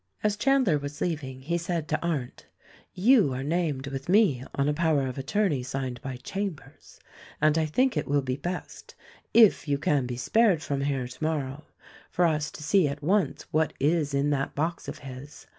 As Chandler was leaving he said to Arndt, "You are named with me on a power of attorney signed by Chambers ; and I think it will be best, if you can be spared from here tomorrow, for us to see at once what is in that box of his.